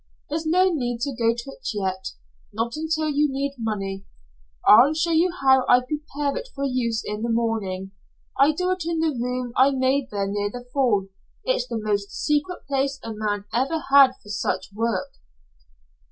There's no need to go to it yet, not until you need money. I'll show you how I prepare it for use, in the morning. I do it in the room I made there near the fall. It's the most secret place a man ever had for such work."